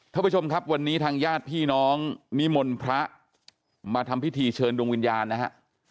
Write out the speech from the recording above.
ท่านผู้ชมครับวันนี้ทางญาติพี่น้องนิมนต์พระมาทำพิธีเชิญดวงวิญญาณนะฮะ